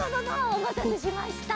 おまたせしました！